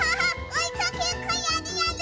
おいかけっこやるやる！